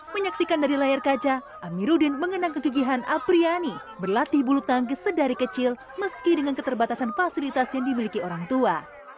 menyaksikan dari layar kaca amiruddin mengenang kegigihan apriyani berlatih bulu tangkis sedari kecil meski dengan keterbatasan fasilitas yang dimiliki orang tua